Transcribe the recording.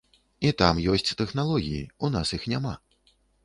І там ёсць тэхналогіі, у нас іх няма.